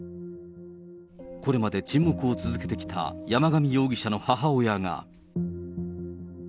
これまで沈黙を続けてきた山上容疑者の母親が。